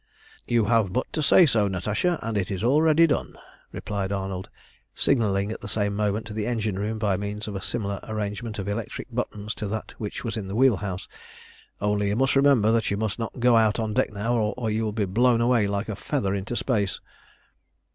"You have but to say so, Natasha, and it is already done," replied Arnold, signalling at the same moment to the engine room by means of a similar arrangement of electric buttons to that which was in the wheel house. "Only you must remember that you must not go out on deck now, or you will be blown away like a feather into space."